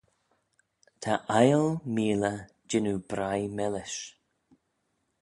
Ta aile meeley jannoo bry millish